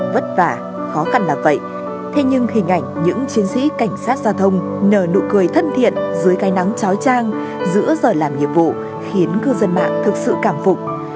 vất vả khó khăn là vậy thế nhưng hình ảnh những chiến sĩ cảnh sát giao thông nờ nụ cười thân thiện dưới cây nắng trói trang giữa giờ làm nhiệm vụ khiến cư dân mạng thực sự cảm phục